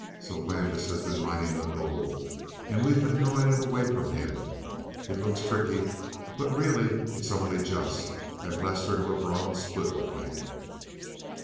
So Landis has been mining the gold and we've been drawing it away from him. It looks tricky, but really it's only just. And Lester and Lebrun split with me.